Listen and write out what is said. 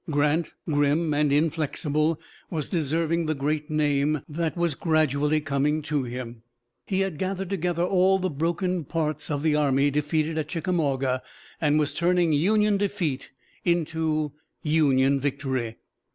Grant, grim and inflexible, was deserving the great name that was gradually coming to him. He had gathered together all the broken parts of the army defeated at Chickamauga and was turning Union defeat into Union victory.